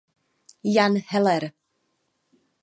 Jan Heller.